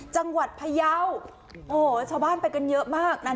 จังหวัดพะเยาเช้าบ้านไปกันเยอะมาก